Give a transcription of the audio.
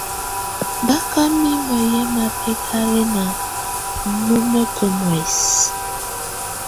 Bà kà mimǝ́ yɛ̀ mabɛ̀kalɛna lumǝkǝ muɛ̀sɛ.